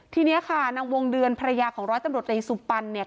ทีนี้ค่ะนางวงเดือนภรรยาของร้อยตำรวจรีสุปันเนี่ย